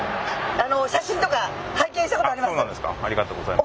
あの写真とか拝見したことあります！